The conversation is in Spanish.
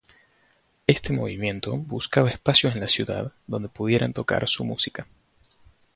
Este movimiento buscaba espacios en la ciudad donde pudieran tocar su música.